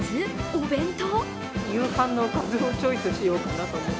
お弁当？